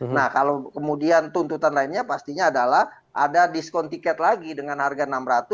nah kalau kemudian tuntutan lainnya pastinya adalah ada diskon tiket lagi dengan harga rp enam ratus